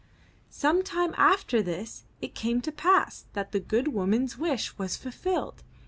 '' Some time after this it came to pass that the good woman's wish was fulfilled.